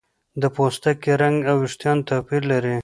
د پوستکي رنګ او ویښتان توپیر لري.